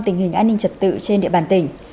tình hình an ninh trật tự trên địa bàn tỉnh